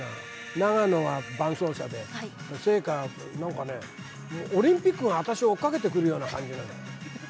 長野は伴走者で、聖火、なんかね、オリンピックが私を追っかけてくるような感じ。